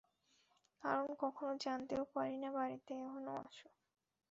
কারণ কখনো জানতেও পারি না বাড়িতে কখনো আসো।